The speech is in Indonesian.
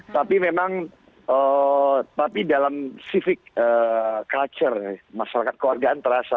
tapi memang tapi dalam civic culture masyarakat keluargaan terasa